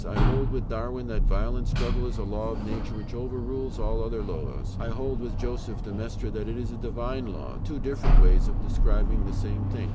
I hold with Darwin that violent struggle is a law of nature which overrules all other laws; I hold with Joseph de Maistre that it is a divine law; two different ways of describing the same thing.